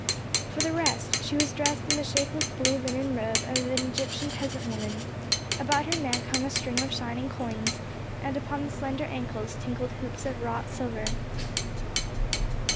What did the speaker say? For the rest, she was dressed in the shapeless blue linen robe of an Egyptian peasant woman, about her neck hung a string of shining coins, and upon the slender ankles tinkled hoops of wrought silver.